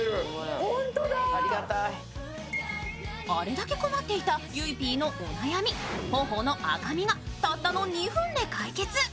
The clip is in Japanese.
あれだけ困っていたゆいＰのお悩み、頬の赤みがたったの２分で解決。